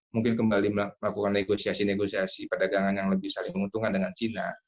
mungkin kembali melakukan negosiasi negosiasi perdagangan yang lebih saling menguntungkan dengan china